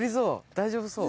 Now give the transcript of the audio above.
大丈夫そう？